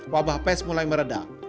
wabah pes mulai meredah